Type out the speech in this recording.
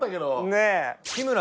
ねえ！